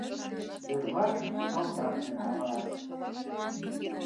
Йырваш салтак дене авырат.